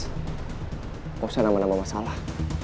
lo gak usah nama nama masalah